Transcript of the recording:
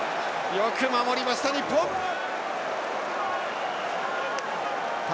よく守りました！